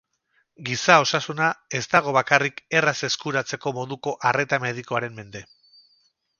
Giza osasuna ez dago bakarrik erraz eskuratzeko moduko arreta medikoaren mende.